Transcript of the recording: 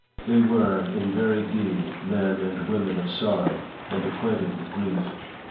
They were in very deed men and women of sorrow, and acquainted with grief.